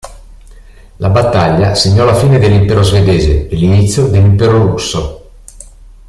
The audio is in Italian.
La battaglia segnò la fine dell'Impero svedese e l'inizio dell'Impero russo.